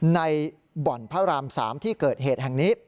ในบ่อนพระราม๓ที่เกิดเหตุแห่งนี้